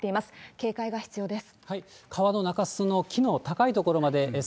警戒が必要です。